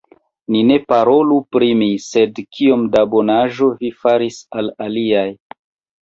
Ni ne parolu pri mi, sed kiom da bonaĵo vi faris al aliaj!